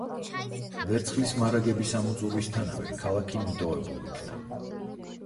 ვერცხლის მარაგების ამოწურვისთანავე, ქალაქი მიტოვებულ იქნა.